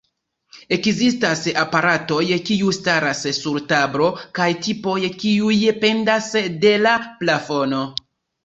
Ekzistas aparatoj kiu staras sur tablo kaj tipoj kiuj pendas de la plafono.